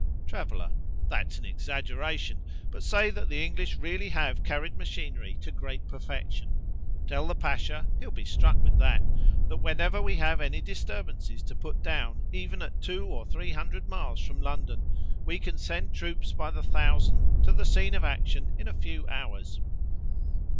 Traveller.—That's an exaggeration; but say that the English really have carried machinery to great perfection; tell the Pasha (he'll be struck with that) that whenever we have any disturbances to put down, even at two or three hundred miles from London, we can send troops by the thousand to the scene of action in a few hours.